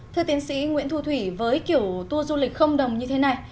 thưa tiến sĩ nguyễn thu thủy với kiểu tour du lịch không đồng như thế này